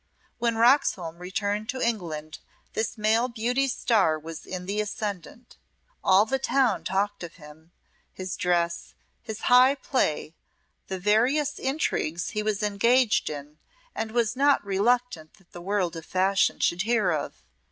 When Roxholm returned to England, this male beauty's star was in the ascendant. All the town talked of him, his dress, his high play, the various intrigues he was engaged in and was not reluctant that the world of fashion should hear of.